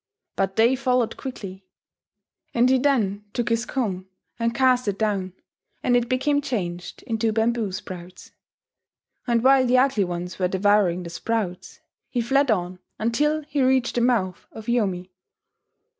But they followed quickly; and he then took his comb and cast it down, and it became changed into bamboo sprouts; and while the Ugly Ones were devouring the sprouts, he fled on until he reached the mouth of Yomi.